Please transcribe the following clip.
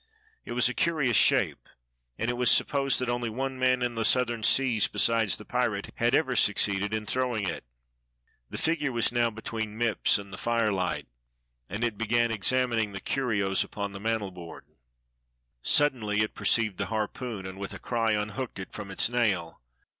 It was a curious shape, and it was supposed that only one man in the Southern Seas besides the pirate had ever succeeded in throwing it. The figure was now between Mipps and the firelight, and it began examining the curios upon the mantel DOGGING THE SCHOOLMASTER 68 board. Suddenly it perceived the harpoon and, with a cry, unhooked it from its nail.